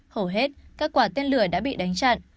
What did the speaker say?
hầu hết các quả tên lửa đã bị đánh chặn